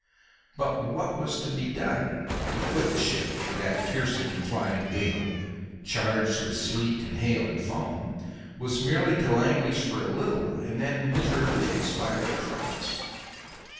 But what was to be done? To quit the ship for that piercing flying gale, charged with sleet and hail and foam, was merely to languish for a little and then miserably expire of frost.